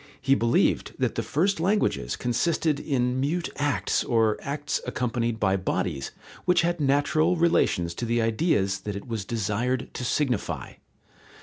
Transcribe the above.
He believed that the first languages consisted in mute acts or acts accompanied by bodies which had natural relations to the ideas that it was desired to signify.